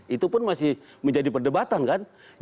itu pun masih menjadi perdebatan kan